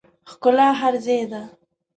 ښکلا هر ځای ده